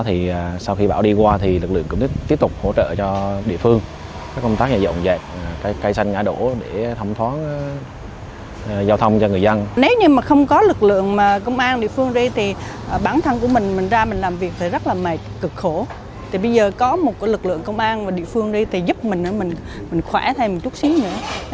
tại bây giờ có một lực lượng công an và địa phương giúp mình khỏe thêm một chút xíu nữa